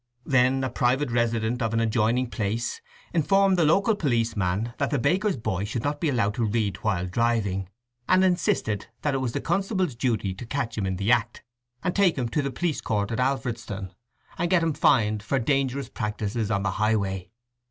Then a private resident of an adjoining place informed the local policeman that the baker's boy should not be allowed to read while driving, and insisted that it was the constable's duty to catch him in the act, and take him to the police court at Alfredston, and get him fined for dangerous practices on the highway.